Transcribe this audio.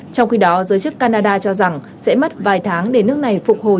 trong khi đó giới chức canada cho rằng sẽ mất vài tháng để nước này phục hồi